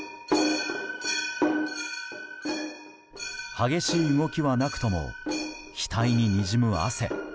激しい動きはなくとも額ににじむ汗。